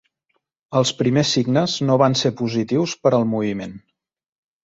Els primers signes no van ser positius per al moviment.